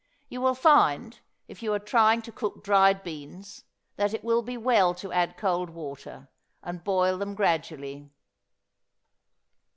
You will find, if you are trying to cook dried beans, that it will be well to add cold water, and boil them gradually.